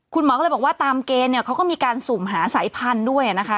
คุณหมอก็เลยบอกว่าตามเกณฑ์เนี่ยเขาก็มีการสุ่มหาสายพันธุ์ด้วยนะคะ